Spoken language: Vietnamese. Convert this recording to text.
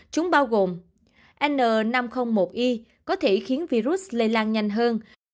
chúng bao gồm n năm trăm linh một i có thể khiến virus lây lan nhanh hơn